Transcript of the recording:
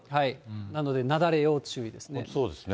なので雪崩要注意ですね。